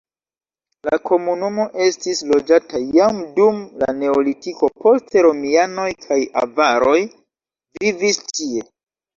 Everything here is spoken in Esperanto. La komunumo estis loĝata jam dum la neolitiko, poste romianoj kaj avaroj vivis tie.